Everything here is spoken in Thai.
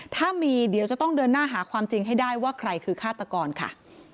ถ้ามีเดี๋ยวจะต้องเดินหน้าหาความจริงให้ได้ว่าใครคือฆาตกรค่ะ